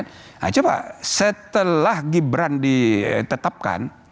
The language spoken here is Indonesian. nah coba setelah gibran ditetapkan